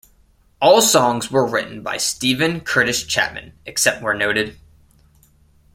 All songs were written by Steven Curtis Chapman, except where noted.